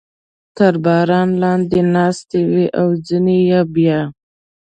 تر باران لاندې ناستې وې او ځینې یې بیا.